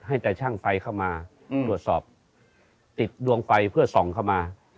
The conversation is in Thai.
ให้แต่ช่างไฟเข้ามาตรวจสอบติดดวงไฟเพื่อส่องเข้ามา